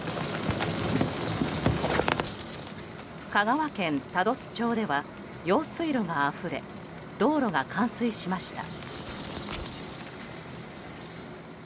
香川県多度津町では用水路があふれ道路が冠水しました。